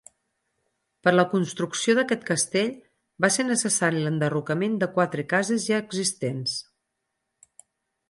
Per la construcció d'aquest castell va ser necessari l'enderrocament de quatre cases ja existents.